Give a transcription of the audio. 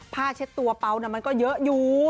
เช็ดตัวเปล่ามันก็เยอะอยู่